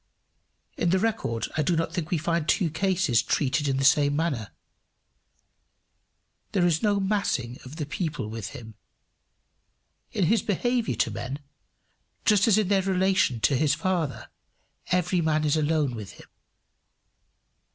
In the record I do not think we find two cases treated in the same manner. There is no massing of the people with him. In his behaviour to men, just as in their relation to his Father, every man is alone with him.